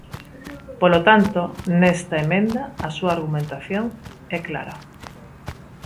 Polo tanto, nesta emenda a súa argumentación é clara.